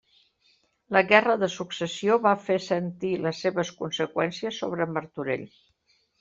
La Guerra de Successió va fer sentir les seves conseqüències sobre Martorell.